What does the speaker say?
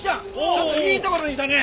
ちょっといいところにいたね！